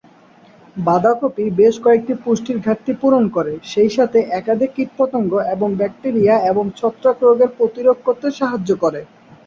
বাঁধাকপি বেশ কয়েকটি পুষ্টির ঘাটতি পূরণ করে, সেইসাথে একাধিক কীটপতঙ্গ, এবং ব্যাকটেরিয়া এবং ছত্রাক রোগের প্রতিরোধ করতে সাহায্য করে।